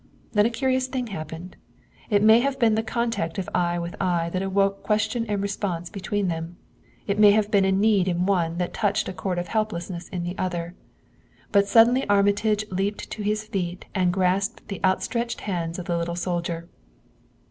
Then a curious thing happened. It may have been the contact of eye with eye that awoke question and response between them; it may have been a need in one that touched a chord of helplessness in the other; but suddenly Armitage leaped to his feet and grasped the outstretched hands of the little soldier.